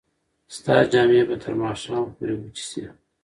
ستا جامې به تر ماښامه پورې وچې شي.